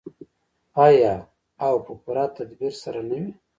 آیا او په پوره تدبیر سره نه وي؟